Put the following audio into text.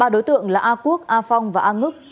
ba đối tượng là a quốc a phong và a ngức